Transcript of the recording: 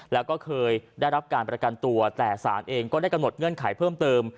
แล้วก็เคยได้รับการประกันตัวแต่ศาลเองก็ได้กำหนดเงื่อนไขเพิ่มเติม